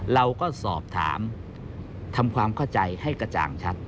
เราก็สอบถามทำความเข้าใจให้กระจ่างชัด